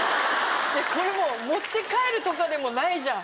これもう持って帰るとかでもないじゃん！